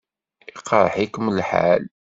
Iqṛeḥ-ikem lḥal?